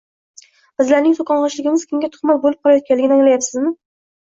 bizlarning so‘kong‘ichligimiz kimga tuhmat bo‘lib qolayotganini anglayapmizmi?